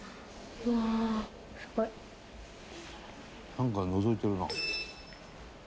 「なんかでのぞいてるな」